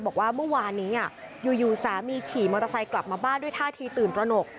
บอกว่าเมื่อวานนี้อยู่สามีขี่มอเตอร์ไซค์กลับมาบ้านด้วยท่าทีตื่นตระหนก